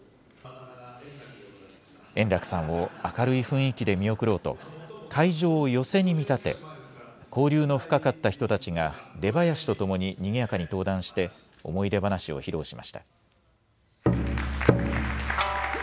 円楽さんを明るい雰囲気で見送ろうと、会場を寄席に見立て、交流の深かった人たちが、出囃子とともににぎやかに登壇して、思い出話を披露しました。